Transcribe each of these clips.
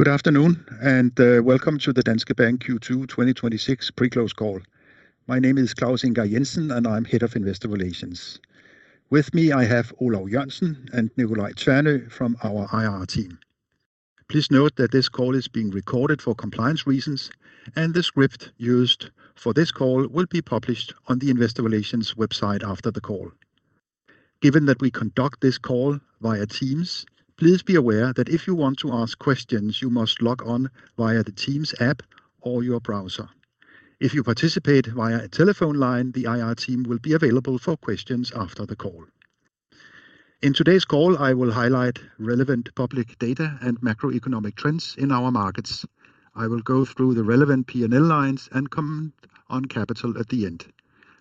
Good afternoon, and welcome to the Danske Bank Q2 2026 Pre-close Call. My name is Claus Ingar Jensen, and I am Head of Investor Relations. With me, I have Olav Jørgensen and Nicolai Tvernø from our IR team. Please note that this call is being recorded for compliance reasons, and the script used for this call will be published on the Investor Relations website after the call. Given that we conduct this call via Teams, please be aware that if you want to ask questions, you must log on via the Teams app or your browser. If you participate via a telephone line, the IR team will be available for questions after the call. In today's call, I will highlight relevant public data and macroeconomic trends in our markets. I will go through the relevant P&L lines and comment on capital at the end.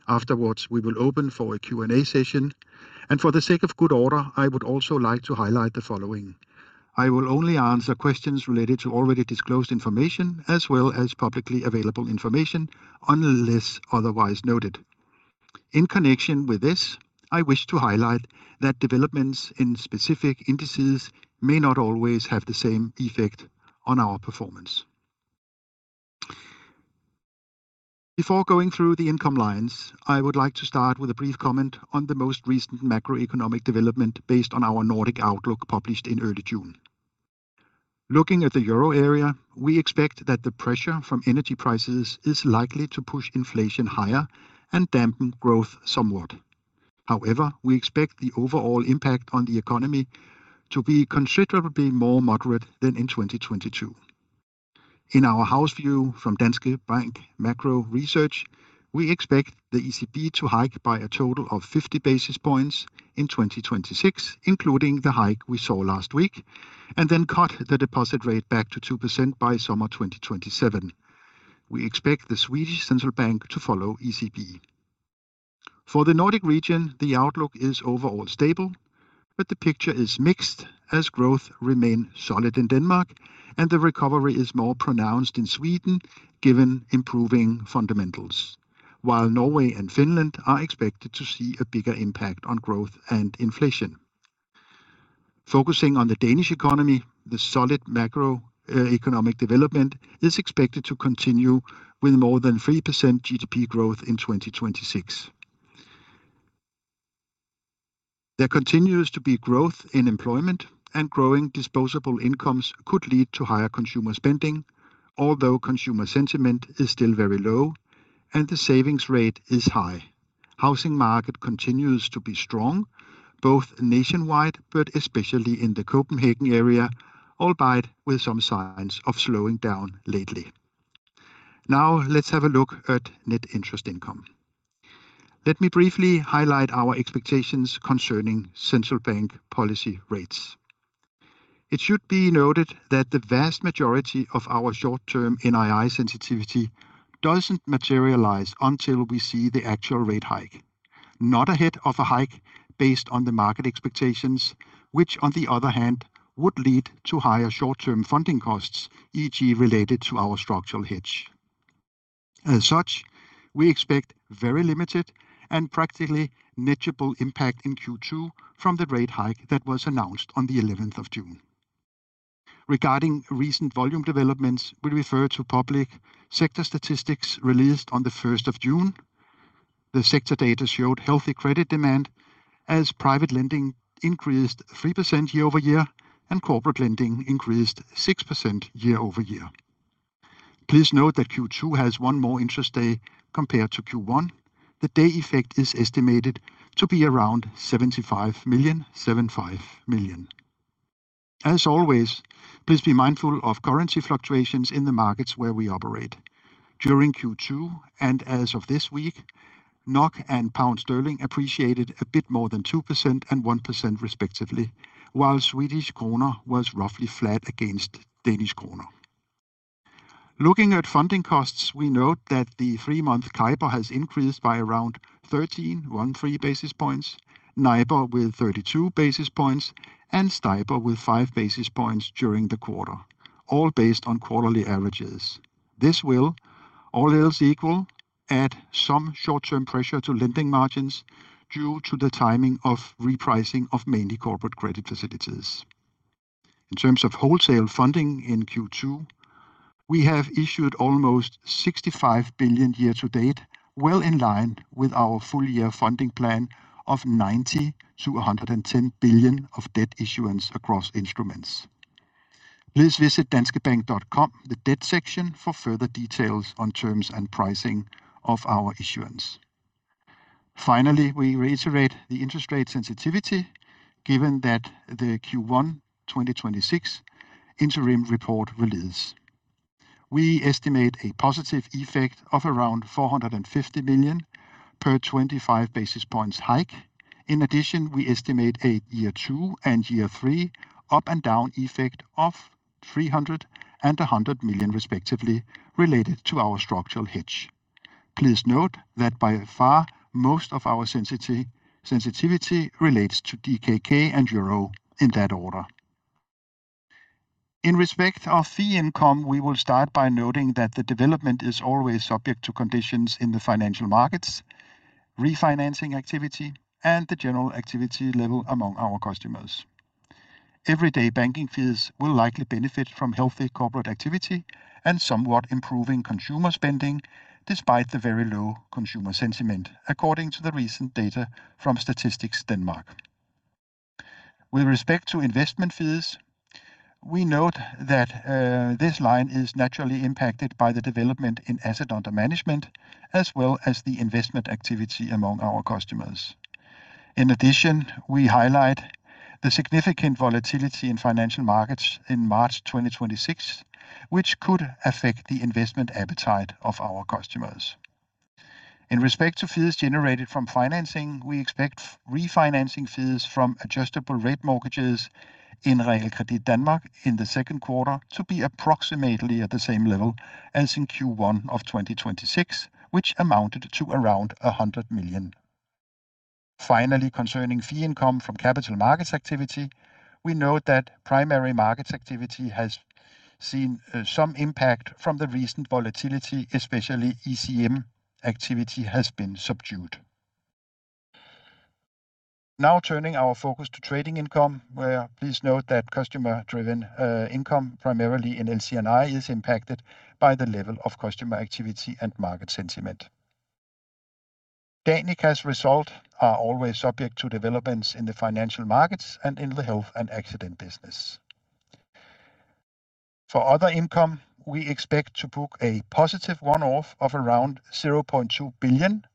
Afterwards, we will open for a Q&A session, and for the sake of good order, I would also like to highlight the following. I will only answer questions related to already disclosed information, as well as publicly available information, unless otherwise noted. In connection with this, I wish to highlight that developments in specific indices may not always have the same effect on our performance. Before going through the income lines, I would like to start with a brief comment on the most recent macroeconomic development based on our Nordic outlook published in early June. Looking at the Euro area, we expect that the pressure from energy prices is likely to push inflation higher and dampen growth somewhat. However, we expect the overall impact on the economy to be considerably more moderate than in 2022. In our house view from Danske Bank Macro Research, we expect the ECB to hike by a total of 50 basis points in 2026, including the hike we saw last week, and then cut the deposit rate back to 2% by summer 2027. We expect Sveriges Riksbank to follow ECB. For the Nordic region, the outlook is overall stable, but the picture is mixed as growth remain solid in Denmark and the recovery is more pronounced in Sweden given improving fundamentals. While Norway and Finland are expected to see a bigger impact on growth and inflation. Focusing on the Danish economy, the solid macroeconomic development is expected to continue with more than 3% GDP growth in 2026. There continues to be growth in employment, and growing disposable incomes could lead to higher consumer spending. Although consumer sentiment is still very low and the savings rate is high. Housing market continues to be strong, both nationwide but especially in the Copenhagen area, albeit with some signs of slowing down lately. Now, let's have a look at net interest income. Let me briefly highlight our expectations concerning Central Bank policy rates. It should be noted that the vast majority of our short-term NII sensitivity doesn't materialize until we see the actual rate hike. Not ahead of a hike based on the market expectations, which on the other hand, would lead to higher short-term funding costs, each related to our structural hedge. As such, we expect very limited and practically negligible impact in Q2 from the rate hike that was announced on the 11th of June. Regarding recent volume developments, we refer to public sector statistics released on the 1st of June. The sector data showed healthy credit demand as private lending increased 3% year-over-year, and corporate lending increased 6% year-over-year. Please note that Q2 has one more interest day compared to Q1. The day effect is estimated to be around 75 million. As always, please be mindful of currency fluctuations in the markets where we operate. During Q2, and as of this week, NOK and GBP appreciated a bit more than 2% and 1% respectively, while SEK was roughly flat against DKK. Looking at funding costs, we note that the three-month CIBOR has increased by around 13 basis points, NIBOR with 32 basis points, and STIBOR with 5 basis points during the quarter. All based on quarterly averages. This will, all else equal, add some short-term pressure to lending margins due to the timing of repricing of mainly corporate credit facilities. In terms of wholesale funding in Q2, we have issued almost 65 billion year-to-date, well in line with our full year funding plan of 90 billion-110 billion of debt issuance across instruments. Please visit danskebank.com, the debt section, for further details on terms and pricing of our issuance. We reiterate the interest rate sensitivity given that the Q1 2026 interim report release. We estimate a positive effect of around 450 million per 25 basis points hike. In addition, we estimate a year two and year three up and down effect of 300 million and 100 million respectively, related to our structural hedge. Please note that by far, most of our sensitivity relates to DKK and euro in that order. In respect of fee income, we will start by noting that the development is always subject to conditions in the financial markets. Refinancing activity and the general activity level among our customers. Everyday banking fees will likely benefit from healthy corporate activity and somewhat improving consumer spending, despite the very low consumer sentiment according to the recent data from Statistics Denmark. With respect to investment fees, we note that this line is naturally impacted by the development in asset under management as well as the investment activity among our customers. We highlight the significant volatility in financial markets in March 2026, which could affect the investment appetite of our customers. In respect to fees generated from financing, we expect refinancing fees from adjustable rate mortgages in Realkredit Danmark in the second quarter to be approximately at the same level as in Q1 of 2026, which amounted to around 100 million. Concerning fee income from capital markets activity, we note that primary markets activity has seen some impact from the recent volatility, especially ECM activity has been subdued. Turning our focus to trading income, where please note that customer-driven income, primarily in LC&I, is impacted by the level of customer activity and market sentiment. Danica's result are always subject to developments in the financial markets and in the health and accident business. Other income, we expect to book a positive one-off of around 0.2 billion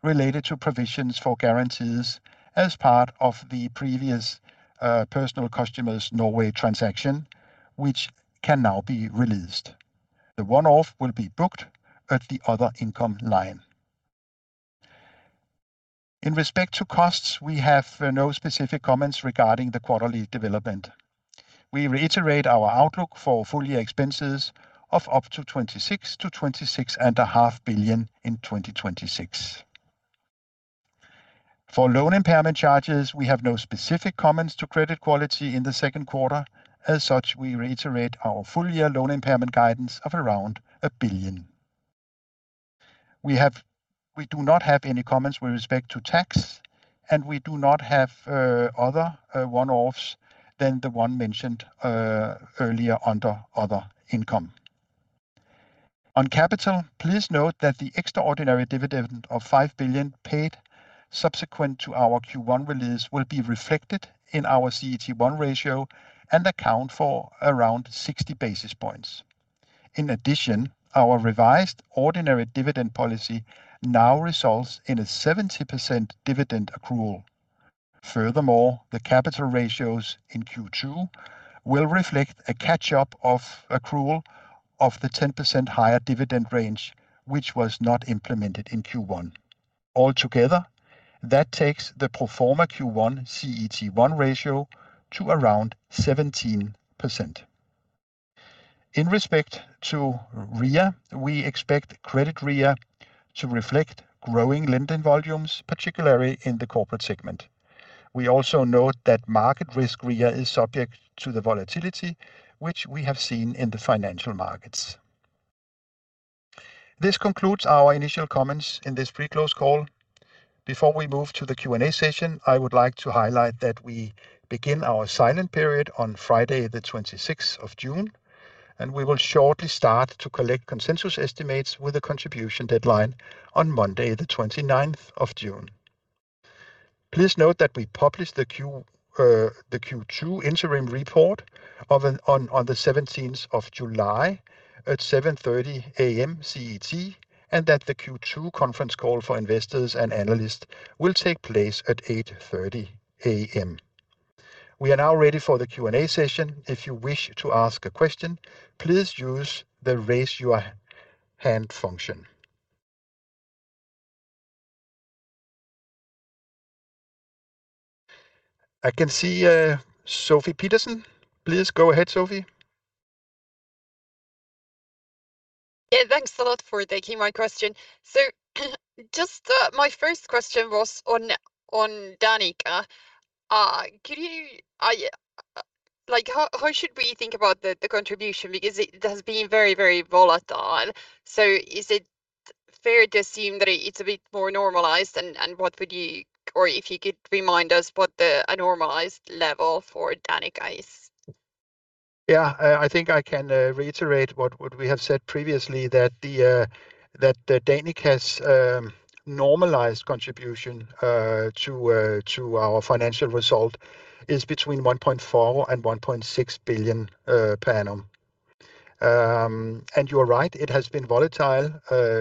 related to provisions for guarantees as part of the previous personal customers Norway transaction, which can now be released. The one-off will be booked at the other income line. In respect to costs, we have no specific comments regarding the quarterly development. We reiterate our outlook for full year expenses of up to 26 billion-26.5 billion in 2026. For loan impairment charges, we have no specific comments to credit quality in the second quarter. As such, we reiterate our full year loan impairment guidance of around 1 billion. We do not have any comments with respect to tax, and we do not have other one-offs than the one mentioned earlier under other income. On capital, please note that the extraordinary dividend of 5 billion paid subsequent to our Q1 release will be reflected in our CET1 ratio and account for around 60 basis points. In addition, our revised ordinary dividend policy now results in a 70% dividend accrual. Furthermore, the capital ratios in Q2 will reflect a catch-up of accrual of the 10% higher dividend range, which was not implemented in Q1. Altogether, that takes the pro forma Q1 CET1 ratio to around 17%. In respect to RWA, we expect credit RWA to reflect growing lending volumes, particularly in the corporate segment. We also note that market risk RWA is subject to the volatility which we have seen in the financial markets. This concludes our initial comments in this pre-close call. Before we move to the Q&A session, I would like to highlight that we begin our silent period on Friday the 26th of June, and we will shortly start to collect consensus estimates with a contribution deadline on Monday the 29th of June. Please note that we publish the Q2 interim report on the 17th of July at 7:30 A.M. CET, and that the Q2 conference call for investors and analysts will take place at 8:30 A.M. We are now ready for the Q&A session. If you wish to ask a question, please use the raise your hand function. I can see Sofie Peterzéns. Please go ahead, Sofie. Yeah, thanks a lot for taking my question. Just my first question was on Danica. How should we think about the contribution? Because it has been very volatile. Is it fair to assume that it's a bit more normalized, and if you could remind us what a normalized level for Danica is? Yeah. I think I can reiterate what we have said previously, that Danica's normalized contribution to our financial result is between 1.4 billion and 1.6 billion per annum. You are right, it has been volatile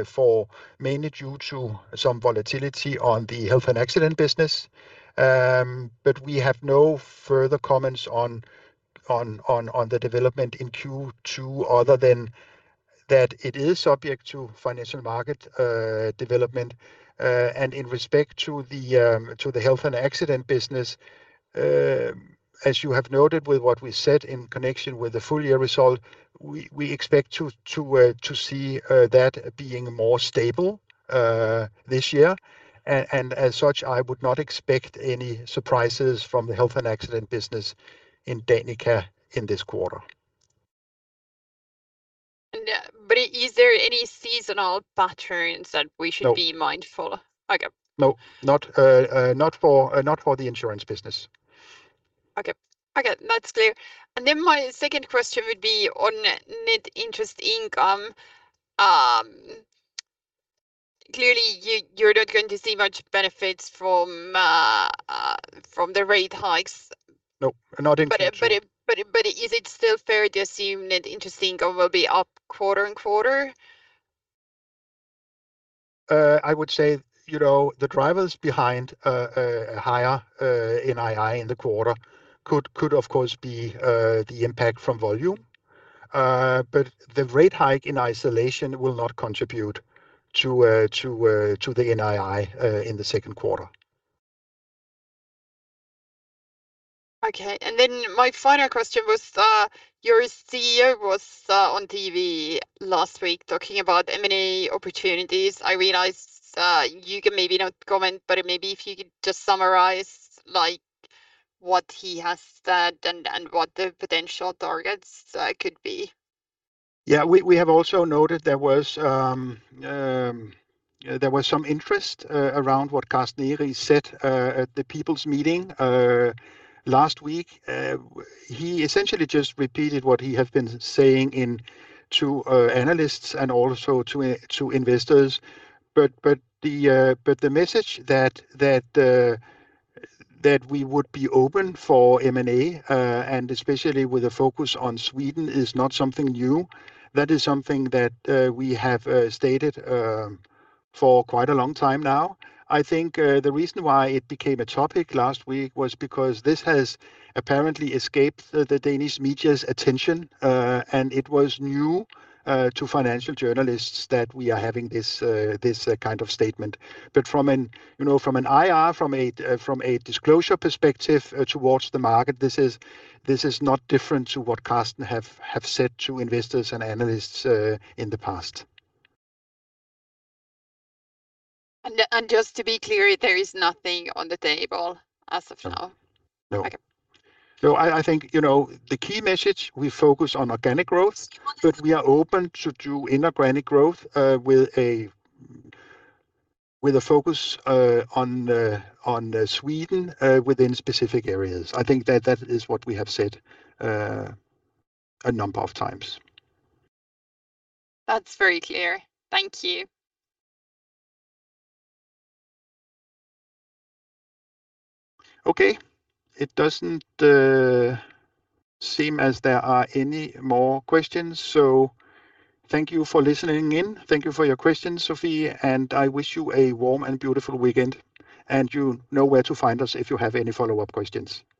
for mainly due to some volatility on the health and accident business. We have no further comments on the development in Q2 other than that it is subject to financial market development. In respect to the health and accident business, as you have noted with what we said in connection with the full year result, we expect to see that being more stable this year. As such, I would not expect any surprises from the health and accident business in Danica in this quarter. Are there any seasonal patterns that we should be mindful of? No, not for the insurance business. Okay. That's clear. My second question would be on net interest income. Clearly, you're not going to see much benefits from the rate hikes? No, not in Q2. Is it still fair to assume net interest income will be up quarter-on-quarter? I would say, the drivers behind a higher NII in the quarter could, of course, be the impact from volume. The rate hike in isolation will not contribute to the NII in the second quarter. Okay. Then my final question was, your CEO was on TV last week talking about M&A opportunities. I realize you can maybe not comment, but maybe if you could just summarize what he has said and what the potential targets could be? Yeah. We have also noted there was some interest around what Carsten Egeriis said at the people's meeting last week. He essentially just repeated what he has been saying to analysts and also to investors. The message that we would be open for M&A, and especially with a focus on Sweden, is not something new. That is something that we have stated for quite a long time now. I think the reason why it became a topic last week was because this has apparently escaped the Danish media's attention, and it was new to financial journalists that we are having this kind of statement. From an IR, from a disclosure perspective towards the market, this is not different to what Carsten have said to investors and analysts in the past. Just to be clear, there is nothing on the table as of now? No. Okay. No. I think, the key message, we focus on organic growth, but we are open to do inorganic growth with a focus on Sweden within specific areas. I think that is what we have said a number of times. That's very clear. Thank you. Okay. It doesn't seem as there are any more questions. Thank you for listening in. Thank you for your questions, Sofie. I wish you a warm and beautiful weekend. You know where to find us if you have any follow-up questions. Thank you